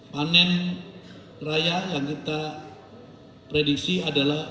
panen raya yang kita prediksi adalah